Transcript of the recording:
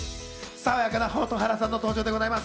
さわやかな蛍原さんの登場でございます。